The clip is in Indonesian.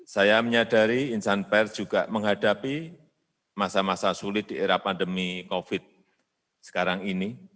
saya menyadari insan pers juga menghadapi masa masa sulit di era pandemi covid sekarang ini